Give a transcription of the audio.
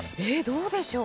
どうでしょう？